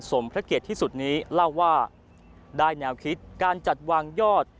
พระเกียรติที่สุดนี้เล่าว่าได้แนวคิดการจัดวางยอด